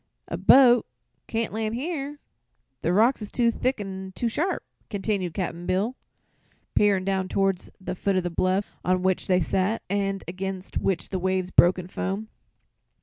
"A boat can't land here; the rocks is too thick an' too sharp," continued Cap'n Bill, peering down toward the foot of the bluff on which they sat and against which the waves broke in foam.